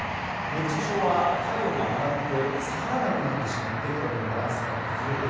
熱中症は体温が上がって下がらなくなってしまって体のバランスが崩れる。